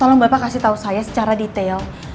tolong bapak kasih tahu saya secara detail